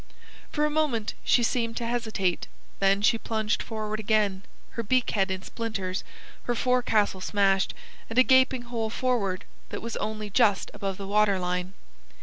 For a moment she seemed to hesitate, then she plunged forward again, her beak head in splinters, her forecastle smashed, and a gaping hole forward, that was only just above the water line.